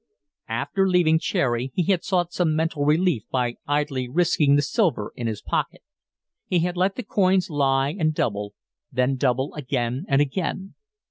After leaving Cherry he had sought some mental relief by idly risking the silver in his pocket. He had let the coins lie and double, then double again and again.